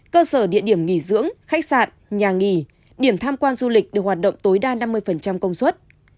cơ sở địa điểm nghỉ dưỡng khách sạn nhà nghỉ điểm tham quan du lịch được hoạt động tối đa năm mươi công suất